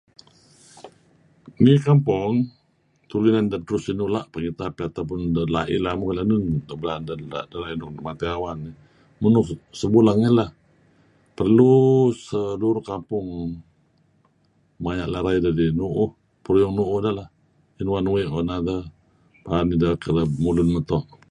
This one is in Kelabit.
Ngi kampong tulu inan detur sinula' pengitap neh aau pun delaih enun kuh nuk blaan dah kuh enun nuk matey awan nuk sebuleng iih lah. Perlu sa lun kampong maya' lun rayeh dedih nuuh peruyung nuuh idah lah kinuan uih another paad nideh kerab mulun neto'.